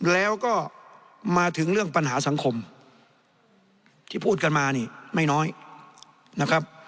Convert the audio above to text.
แล้วก็มาถึงเรื่องปัญหาสังคมที่พูดกันมานี่ไม่น้อยนะครับ